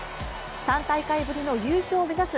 ３大会ぶりの優勝を目指す